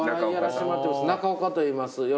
中岡といいます。